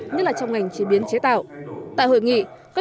nhất là trong ngành chế biến chế tạo